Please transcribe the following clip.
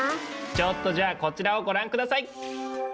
ちょっとじゃあこちらをご覧下さい！